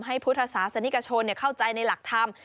พุทธศาสนิกชนเข้าใจในหลักธรรม